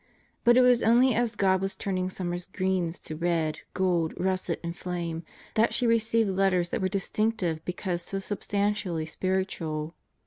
But it was only as God was turning summer's greens to red, gold, russet, and flame, that she received letters that were distinctive because so substantially spiritual.